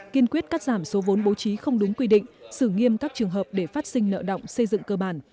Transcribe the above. kiên quyết cắt giảm số vốn bố trí không đúng quy định xử nghiêm các trường hợp để phát sinh nợ động xây dựng cơ bản